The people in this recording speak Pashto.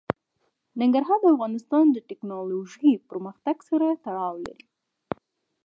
ننګرهار د افغانستان د تکنالوژۍ پرمختګ سره تړاو لري.